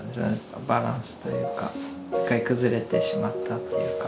バランスというか一回崩れてしまったっていうか。